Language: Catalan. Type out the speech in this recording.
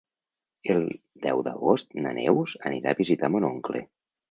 El deu d'agost na Neus anirà a visitar mon oncle.